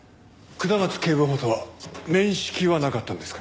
下松警部補とは面識はなかったんですか？